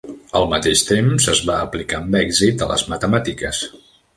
Al mateix temps, es va aplicar amb èxit a les matemàtiques.